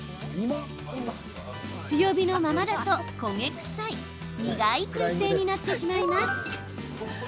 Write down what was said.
強火のままだと、焦げ臭い苦いくん製になってしまいます。